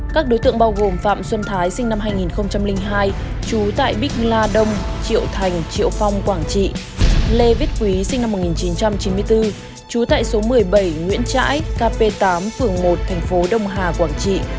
các đối tượng bao gồm phạm xuân thái sinh năm hai nghìn hai chú tại bích la đông triệu thành triệu phong quảng trị